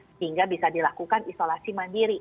sehingga bisa dilakukan isolasi mandiri